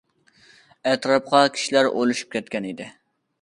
ئەتراپقا كىشىلەر ئولىشىپ كەتكەن ئىدى.